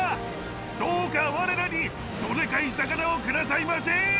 どうか我らにどデカい魚をくださいませ！